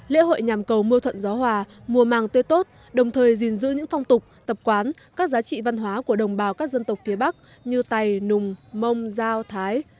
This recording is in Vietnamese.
lễ hội nhằm cầu mưa thuận gió hòa mùa màng tươi tốt đồng thời gìn giữ những phong tục tập quán các giá trị văn hóa của đồng bào các dân tộc phía bắc như tày nùng mông giao thái